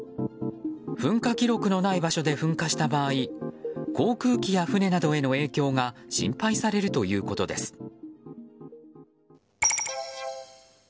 噴火記録のない場所で噴火した場合航空機や船などへの影響が心配されるということです。